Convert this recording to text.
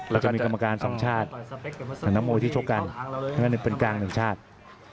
แล้วก็จะมีกรรมการสองชาติทางน้ำโมที่ชกกันเป็นกลางหนึ่งชาติ